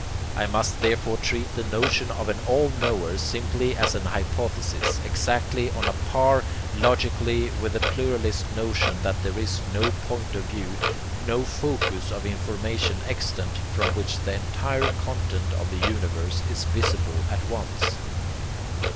I must therefore treat the notion of an All Knower simply as an hypothesis, exactly on a par logically with the pluralist notion that there is no point of view, no focus of information extant, from which the entire content of the universe is visible at once.